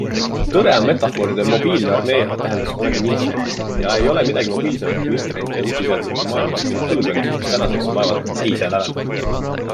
Tõde on metafooride mobiilne armee, tähendas kunagi Nietzsche, ja ei ole midagi mobiilsemat kui interneti ja nutiseadmete maailma sündinud põlvkond, mis tänaseks on vaevalt täisea lävel.